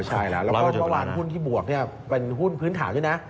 ใช่แล้วก็เมื่อวานหุ้นที่บวกเป็นหุ้นพื้นฐานด้วยนะ